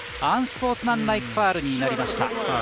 アンスポーツマンライクファウルになりました。